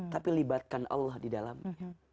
tapi libatkan allah di dalamnya